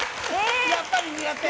やっぱり苦手。